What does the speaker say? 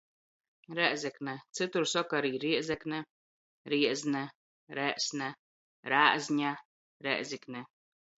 Rēzekne, cytur soka ari Riezekne, Riezne, Rēsne, Rāzņa, Rēzikne.